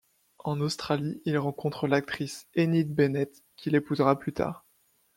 En Australie, il rencontre l'actrice Enid Bennett qu'il épousera plus tard.